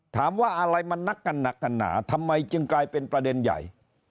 ถามว่าอะไรมันนักกันหนักกันหนาทำไมจึงกลายเป็นประเด็นใหญ่